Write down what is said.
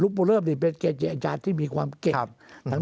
รุภบุริภนี่เป็นเกจอาจารย์ที่มีความเก่ง